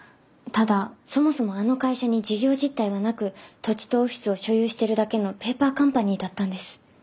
ただそもそもあの会社に事業実態はなく土地とオフィスを所有してるだけのペーパーカンパニーだったんです。